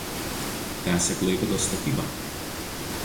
Tęsė Klaipėdos statybą.